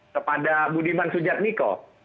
kepada budiman sujad miko